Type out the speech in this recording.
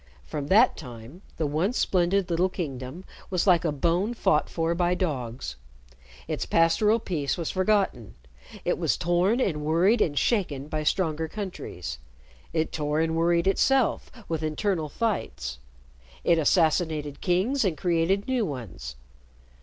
From that time, the once splendid little kingdom was like a bone fought for by dogs. Its pastoral peace was forgotten. It was torn and worried and shaken by stronger countries. It tore and worried itself with internal fights. It assassinated kings and created new ones.